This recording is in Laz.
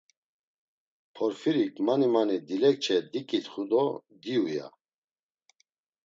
Porfirik mani mani dilekçe diǩitxu do; diyu, ya.